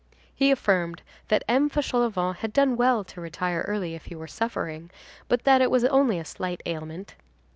He affirmed that M. Fauchelevent had done well to retire early, if he were suffering, but that it was only a slight ailment.